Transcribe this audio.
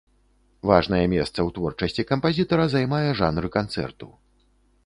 Важнае месца ў творчасці кампазітара займае жанр канцэрту.